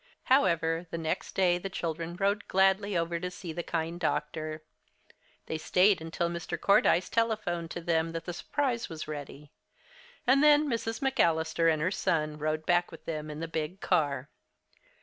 However, next day the children rode gladly over to see the kind doctor. They stayed until Mr. Cordyce telephoned to them that the surprise was ready. And then Mrs. McAllister and her son rode back with them in the big car.